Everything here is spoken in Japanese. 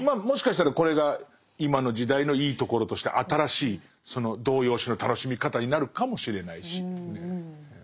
もしかしたらこれが今の時代のいいところとして新しいその童謡詩の楽しみ方になるかもしれないしね。